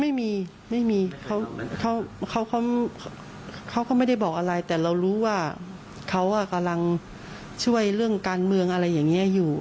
ไม่มีไม่มีเขาก็ไม่ได้บอกอะไรแต่เรารู้ว่าเขากำลังช่วยเรื่องการเมืองอะไรอย่างนี้อยู่